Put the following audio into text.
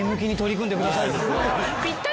ぴったり。